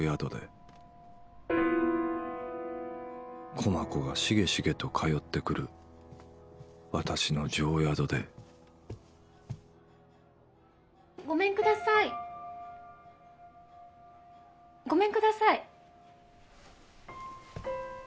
駒子がしげしげと通ってくる私の定宿で・ごめんくださいごめんください。